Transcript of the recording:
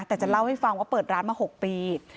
แต่จะเล่าให้ฟังว่าเปิดร้านมา๖ปี